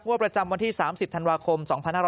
มั่วประจำวันที่๓๐ธันวาคม๒๕๕๙